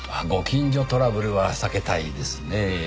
ご近所トラブルは避けたいですねぇ。